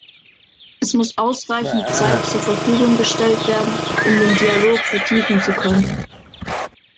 Es muss ausreichend Zeit zur Verfügung gestellt werden, um den Dialog vertiefen zu können.